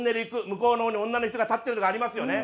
向こうの方に女の人が立ってるとかありますよね。